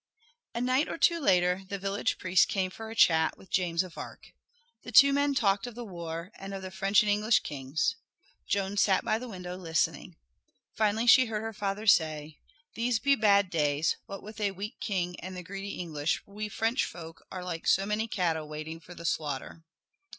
A night or two later the village priest came for a chat with James of Arc. The two men talked of the war, and of the French and English kings. Joan sat by the window listening. Finally she heard her father say, "These be bad days; what with a weak king and the greedy English we French folk are like so many cattle waiting for the slaughter."